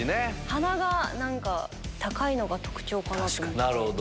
鼻が高いのが特徴かなって思って。